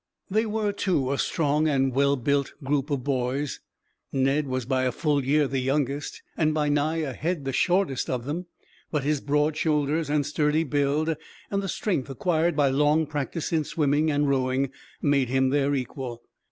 They were, too, a strong and well built group of boys. Ned was by a full year the youngest, and by nigh a head the shortest of them; but his broad shoulders and sturdy build, and the strength acquired by long practice in swimming and rowing, made him their equal.